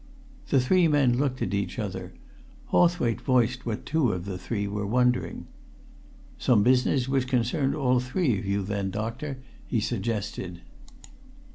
The three men looked at each other. Hawthwaite voiced what two of the three were wondering. "Some business which concerned all three of you, then, doctor?" he suggested.